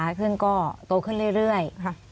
ขึ้นก็โตขึ้นเรื่อย